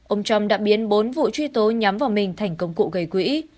ông trump đã biến bốn vụ truy tố nhắm vào mình thành công cụ gây quỹ